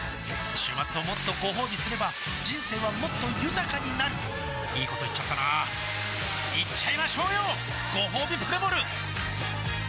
週末をもっとごほうびすれば人生はもっと豊かになるいいこと言っちゃったなーいっちゃいましょうよごほうびプレモル